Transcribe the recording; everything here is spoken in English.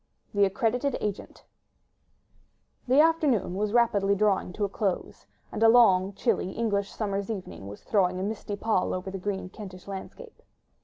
THE ACCREDITED AGENT The afternoon was rapidly drawing to a close; and a long, chilly English summer's evening was throwing a misty pall over the green Kentish landscape.